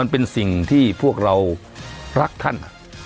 เป็นสิ่งที่พวกเรารักท่าน